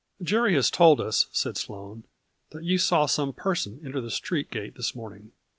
"Jerry has told us," said Sloane, "that you saw some person enter the street gate this morning.